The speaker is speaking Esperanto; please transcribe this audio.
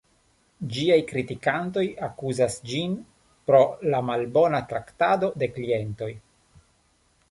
Ĝiaj kritikantoj akuzas ĝin pro la malbona traktado de klientoj.